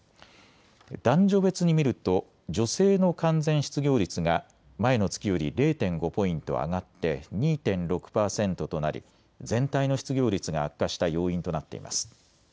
男女別に見ると女性の完全失業率が前の月より０．５ポイント上がって２．６％となり全体の失業率が悪化した要因となっています。